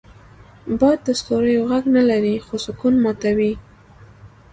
باد د ستوریو غږ نه لري، خو سکون ماتوي